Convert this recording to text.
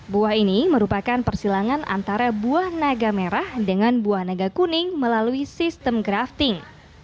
buah ini merupakan persilangan antara buah naga merah dengan buah naga kuning melalui sistem grafting